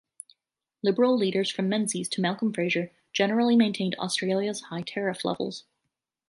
Liberal leaders from Menzies to Malcolm Fraser generally maintained Australia's high tariff levels.